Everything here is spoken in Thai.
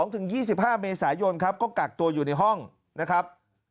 ๒๕เมษายนครับก็กักตัวอยู่ในห้องนะครับ